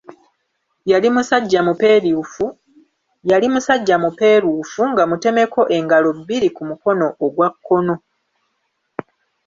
Yali musajja mupeeruufu nga mutemeko engalo bbiri ku mukono ogwa kkono.